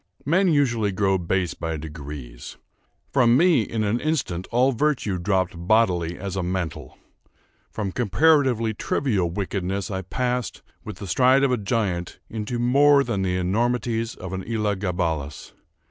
Men usually grow base by degrees. From me, in an instant, all virtue dropped bodily as a mantle. From comparatively trivial wickedness I passed, with the stride of a giant, into more than the enormities of an Elah Gabalus.